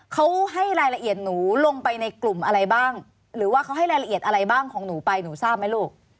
เขาให้รายละเอียดหนูลงไปในกลุ่มอะไรบ้างหรือว่าเขาให้รายละเอียดอะไรบ้างของหนูไปหนูทราบไหมลูก